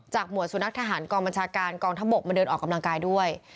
หมวดสุนัขทหารกองบัญชาการกองทัพบกมาเดินออกกำลังกายด้วย